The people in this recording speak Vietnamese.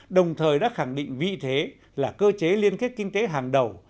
đồng thời đã khẳng định vị thế là cơ chế liên kết kinh tế hàng đầu